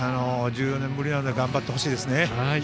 １４年ぶりなので頑張ってほしいですね。